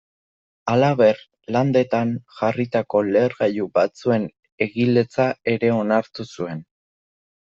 Halaber, Landetan jarritako lehergailu batzuen egiletza ere onartu zuen.